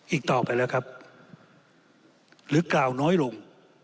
อีกต่อไปแล้วครับหรือกล่าวน้อยลง